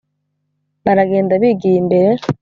Baragenda bigiye imbere